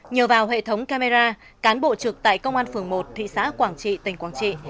nhờ vào hệ thống camera cán bộ trực tại công an phường một thị xã quảng trị tỉnh quảng trị